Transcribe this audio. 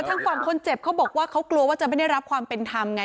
ทางฝั่งคนเจ็บเขาบอกว่าเขากลัวว่าจะไม่ได้รับความเป็นธรรมไง